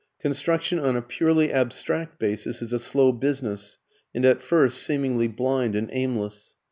Construction on a purely abstract basis is a slow business, and at first seemingly blind and aimless.